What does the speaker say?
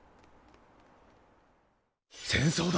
戦争だ。